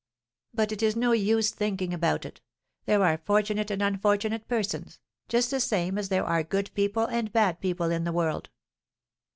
But it is no use thinking about it; there are fortunate and unfortunate persons, just the same as there are good people and bad people in the world!"